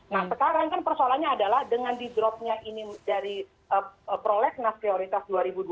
nah sekarang kan persoalannya adalah dengan di dropnya ini dari prolegnas prioritas dua ribu dua puluh